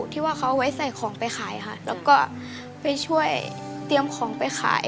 ที่ว่าเขาเอาไว้ใส่ของไปขายค่ะแล้วก็ไปช่วยเตรียมของไปขาย